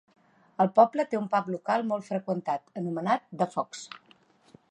El poble té un pub local molt freqüentat, anomenat "The Fox".